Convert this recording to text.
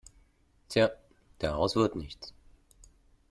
Tja, daraus wird nichts.